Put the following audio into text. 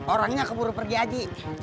orangnya keburu pergi aja